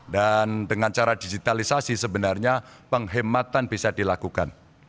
dan dengan cara digitalisasi sebenarnya penghematan bisa dilakukan